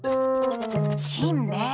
しんべヱ。